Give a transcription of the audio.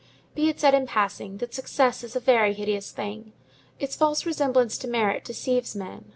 Be it said in passing, that success is a very hideous thing. Its false resemblance to merit deceives men.